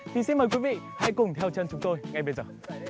thì xin mời quý vị hãy cùng theo chân chúng tôi ngay bây giờ